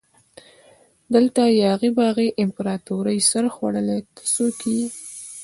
دلته یاغي باغي امپراتوري سرخوړلي ته څوک يي؟